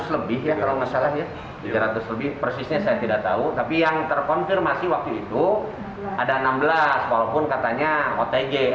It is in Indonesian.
tiga ratus lebih ya kalau masalahnya tiga ratus lebih persisnya saya tidak tahu tapi yang terkonfirmasi waktu itu ada enam belas walaupun katanya otg